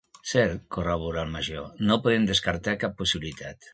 Cert —corrobora el Major—, no podem descartar cap possibilitat.